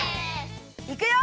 いくよ！